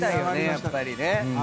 やっぱりね。